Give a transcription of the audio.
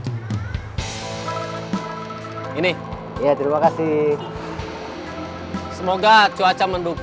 soalnya dulu langsung berharga dia dipes